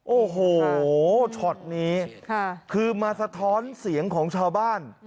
โอ้โหช็อตนี้คือมาสะท้อนเสียงของชาวบ้าน